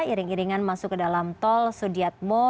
iring iringan masuk ke dalam tol sudiatmo